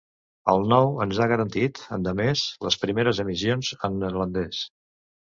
El nou ens ha de garantir, endemés, les primeres emissions en neerlandès.